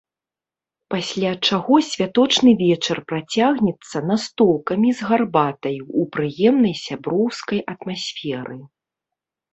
Пасля чаго святочны вечар працягнецца настолкамі з гарбатай у прыемнай сяброўскай атмасферы.